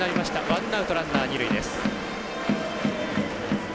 ワンアウト、ランナー、二塁です。